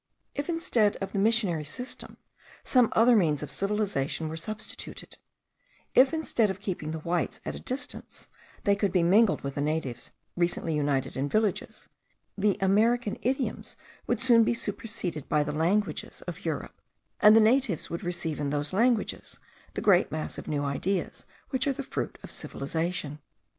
If, instead of the missionary system, some other means of civilization were substituted, if, instead of keeping the whites at a distance, they could be mingled with the natives recently united in villages, the American idioms would soon be superseded by the languages of Europe, and the natives would receive in those languages the great mass of new ideas which are the fruit of civilization.